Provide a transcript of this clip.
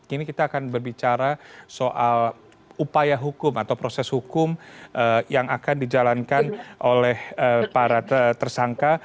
kini kita akan berbicara soal upaya hukum atau proses hukum yang akan dijalankan oleh para tersangka